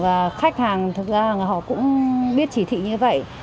và khách hàng thực ra họ cũng biết chỉ thị như vậy